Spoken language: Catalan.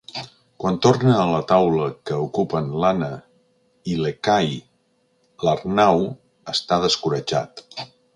Quan torna a la taula que ocupen l'Anna i l'Ekahi l'Arnau està descoratjat.